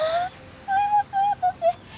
すいません私